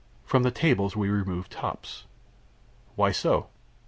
From the tables we removed the tops." "Why so?"